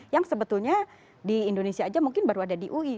yang sebetulnya di indonesia aja mungkin baru ada di ui